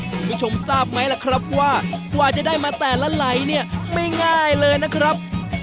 คุณผู้ชมทราบไหมล่ะครับว่ากว่าจะได้มาแต่ละไหลเนี่ยไม่ง่ายเลยนะครับ